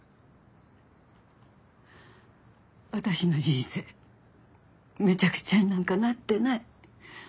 私の人生めちゃくちゃになんかなってない。